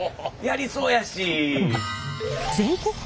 やりそうやし。